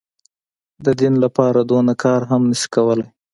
د دين لپاره دونه کار هم نه سي کولاى.